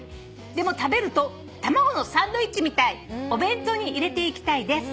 「でも食べると卵のサンドイッチみたい」「お弁当に入れていきたいです」